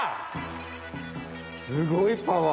すごいパワー。